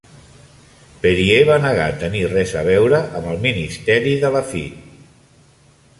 Perier va negar tenir res a veure amb el ministeri de Laffitte.